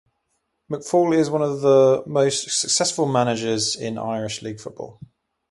McFall is one of the most successful managers in Irish league football.